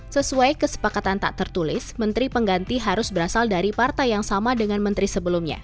sesuai kesepakatan tak tertulis menteri pengganti harus berasal dari partai yang sama dengan menteri sebelumnya